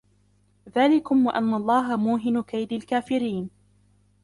ذلكم وأن الله موهن كيد الكافرين